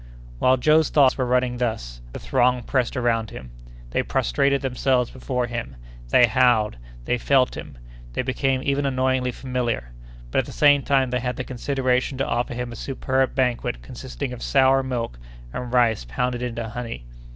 While Joe's thoughts were running thus, the throng pressed around him. They prostrated themselves before him; they howled; they felt him; they became even annoyingly familiar; but at the same time they had the consideration to offer him a superb banquet consisting of sour milk and rice pounded in honey.